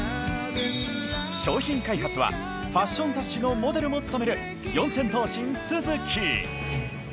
商品開発はファッション雑誌のモデルも務める四千頭身都築。